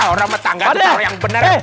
orang ama tangga di taro yang bener